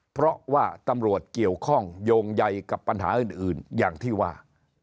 เพราะว่าตำรวจเกี่ยวข้องโยงใยกับปัญหาอื่นอย่างที่ว่า